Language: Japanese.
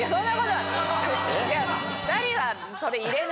はい。